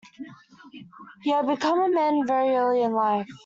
He had become a man very early in life.